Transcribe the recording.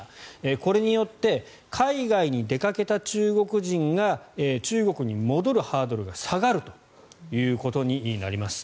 これによって海外に出かけた中国人が中国に戻るハードルが下がるということになります。